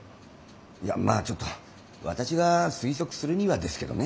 いやまあちょっと私が推測するにはですけどね。